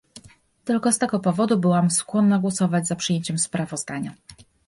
Tylko z tego powodu byłam skłonna głosować za przyjęciem sprawozdania